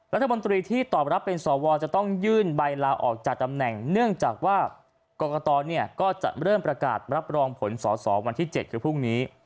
รัฐมนตรีที่ตอบรับเป็นสวจะต้องยื่นใบลาออกจากตำแหน่งเนื่องจากว่ากรกตก็จะเริ่มประกาศรับรองผลสอสอวันที่๗คือพรุ่งนี้